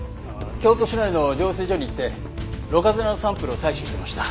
京都市内の浄水場に行ってろ過砂のサンプルを採取してました。